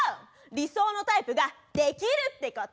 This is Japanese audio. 理想のタイプができるってこと！